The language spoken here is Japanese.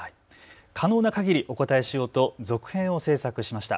可能なかぎりお応えしようと続編を制作しました。